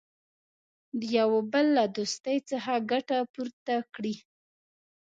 د یوه بل له دوستۍ څخه ګټه پورته کړي.